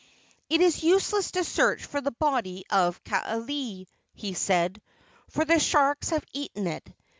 "It is useless to search for the body of Kaaialii," he said, "for the sharks have eaten it."